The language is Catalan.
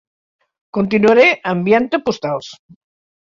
Continuaré enviant-te postals.